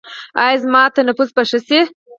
ایا زما تنفس به ښه شي؟